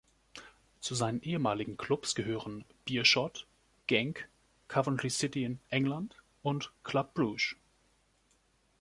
Zu seinen ehemaligen Clubs gehören Beerschot, Genk, Coventry City in England und Club Brugge.